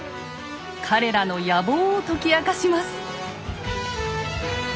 彼らの野望を解き明かします。